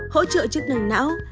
hỗ trợ chức năng não